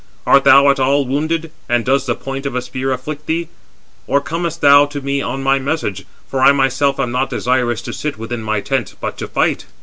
Art thou at all wounded, and does the point of a spear afflict thee? Or comest thou to me on any message? For I myself am not desirous to sit within my tent, but to fight."